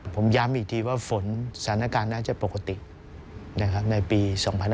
ผมย้ำอีกทีว่าฝนสถานการณ์น่าจะปกติในปี๒๕๕๙